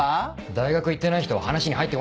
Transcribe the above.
大学行ってない人は話に入ってこないで。